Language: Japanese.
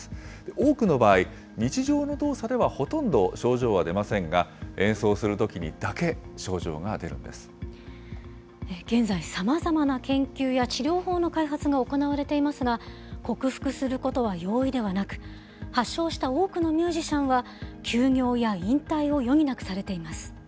多くの場合、日常の動作ではほとんど症状は出ませんが、演奏する現在、さまざまな研究や治療法の開発が行われていますが、克服することは容易ではなく、発症した多くのミュージシャンは、休業や引退を余儀なくされています。